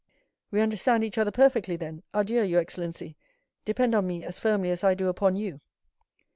"We understand each other perfectly, then. Adieu, your excellency; depend upon me as firmly as I do upon you."